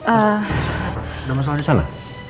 ada masalah di sana